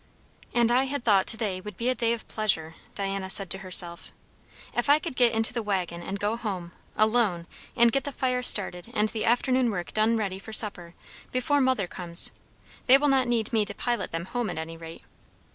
"And I had thought to day would be a day of pleasure," Diana said to herself. "If I could get into the waggon and go home alone and get the fire started and the afternoon work done ready for supper before mother comes! They will not need me to pilot them home at any rate."